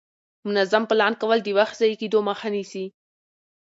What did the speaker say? منظم پلان کول د وخت ضایع کېدو مخه نیسي